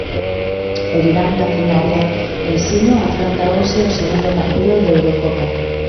O Durán Maquinaria Ensino afronta hoxe o segundo partido da Eurocopa.